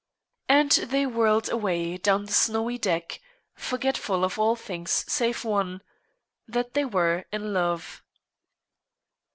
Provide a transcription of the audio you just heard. And they whirled away down the snowy deck, forgetful of all things save one, that they were in love.